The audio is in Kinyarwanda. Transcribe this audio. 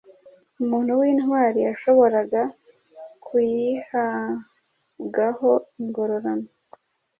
Umuntu w’intwari yashoboraga kuyihabwaho ingororano